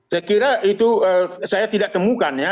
saya kira itu saya tidak temukan ya